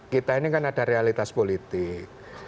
kita ini kan ada realitas politik